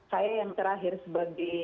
saya yang terakhir sebagai